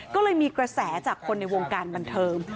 ก็เลยมีกระแสจากคนในวงการบันเทิง